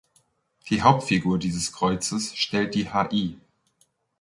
Die Hauptfigur dieses Kreuzes stellt die Hl.